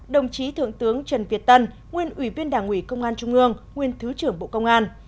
đồng chí thượng tướng trần việt tân nguyên ủy viên đảng ủy công an trung ương nguyên thứ trưởng bộ công an